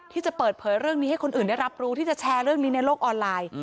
ที่จะเปิดเผยเรื่องนี้ให้คนอื่นได้รับรู้ที่จะแชร์เรื่องนี้ในโลกออนไลน์